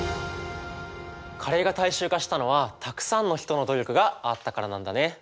カレーが大衆化したのはたくさんの人の努力があったからなんだね。